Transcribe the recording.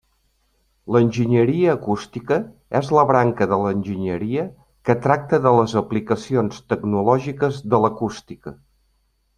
L'enginyeria acústica és la branca de l'enginyeria que tracta de les aplicacions tecnològiques de l'acústica.